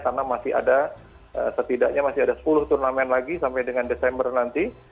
karena masih ada setidaknya masih ada sepuluh turnamen lagi sampai dengan desember nanti